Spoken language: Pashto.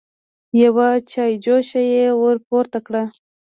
يوه چايجوشه يې ور پورته کړه.